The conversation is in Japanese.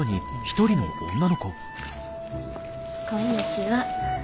こんにちは。